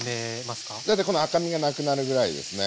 大体この赤みがなくなるぐらいですね。